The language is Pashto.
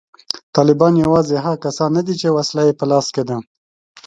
طالبان یوازې هغه کسان نه دي چې وسله یې په لاس کې ده